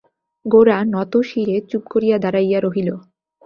গোরা নতশিরে চুপ করিয়া দাঁড়াইয়া রহিল।